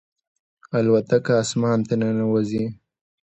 الوتکه اسمان ته ننوځي.